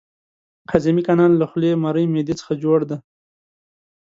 هضمي کانال له خولې، مرۍ، معدې څخه جوړ دی.